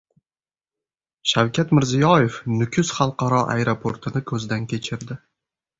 Shavkat Mirziyoyev Nukus xalqaro aeroportini ko‘zdan kechirdi